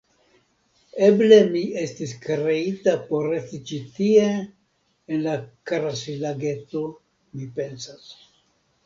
Eble mi estas kreita por resti ĉi tie en la karasi-lageto, mi pensas.